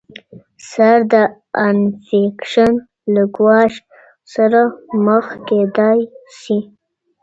سر د انفیکشن له ګواښ سره مخ کیدای شي.